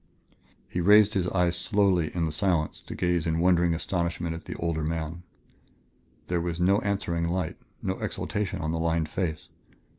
He raised his eyes slowly in the silence to gaze in wondering astonishment at the older man. There was no answering light, no exaltation on the lined face.